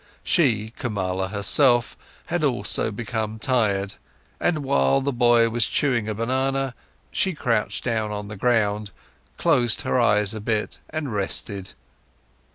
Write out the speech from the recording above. She, Kamala herself, had also become tired, and while the boy was chewing a banana, she crouched down on the ground, closed her eyes a bit, and rested.